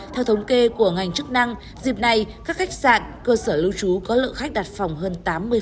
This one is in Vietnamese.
theo thống kê của ngành chức năng dịp này các khách sạn cơ sở lưu trú có lượng khách đặt phòng hơn tám mươi